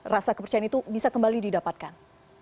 rasa kepercayaan itu bisa kembali didapatkan